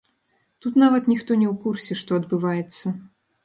Тут нават ніхто не ў курсе, што адбываецца.